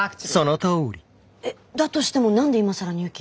えっだとしても何で今更入金？